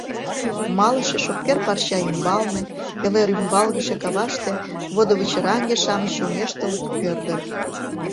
Малыше шопкер парча ӱмбалне, пеле рӱмбалгыше каваште водывычыраҥге-шамыч чоҥештылыт, пӧрдыт;